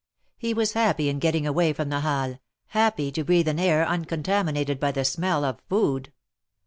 He was happy in getting away from the Plalles, happy to breathe an air uncontami nated by the smell of food.